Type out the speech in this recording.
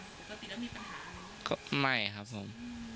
อือก็ไม่ครับผม